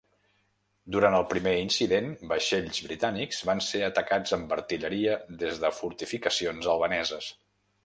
Durant el primer incident, vaixells britànics van ser atacats amb artilleria des de fortificacions albaneses.